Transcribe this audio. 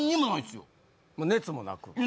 熱もなく？